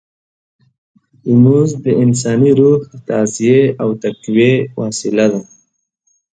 لمونځ د انساني روح د تغذیې او تقویې وسیله ده.